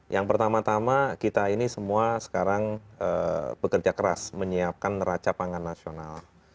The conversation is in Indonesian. yang pertama tama kita ini semua sekarang bekerja keras menyiapkan neraca pangan nasional